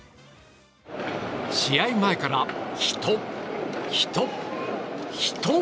試合前から人、人、人！